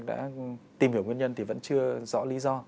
đã tìm hiểu nguyên nhân thì vẫn chưa rõ lý do